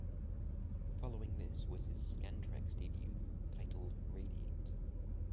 Following this was his Scantraxx Debut titled "Radiate".